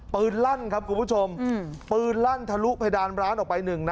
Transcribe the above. ลั่นครับคุณผู้ชมปืนลั่นทะลุเพดานร้านออกไปหนึ่งนัด